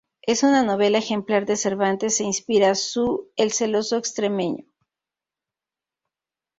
En una novela ejemplar de Cervantes se inspira su "El celoso extremeño".